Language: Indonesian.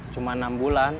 cuma enam bulan